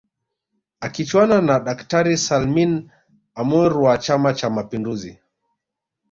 Akichuana na daktari Salmin Amour wa chama cha mapinduzi